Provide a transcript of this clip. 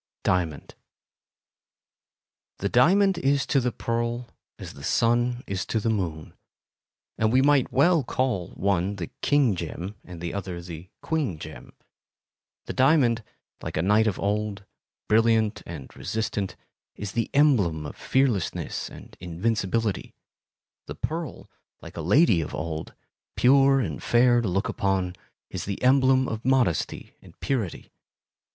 Diamond The diamond is to the pearl as the sun is to the moon, and we might well call one the "king gem" and the other the "queen gem." The diamond, like a knight of old,—brilliant and resistant, is the emblem of fearlessness and invincibility; the pearl, like a lady of old,—pure and fair to look upon, is the emblem of modesty and purity.